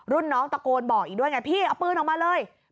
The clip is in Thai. รุ่นน้องตะโกนบอกอีกด้วยไงพี่เอาปืนออกมาเลย